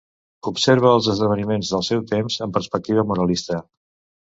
Observa els esdeveniments del seu temps amb perspectiva moralista.